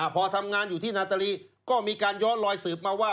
พอทำงานอยู่ที่นาตาลีก็มีการย้อนลอยสืบมาว่า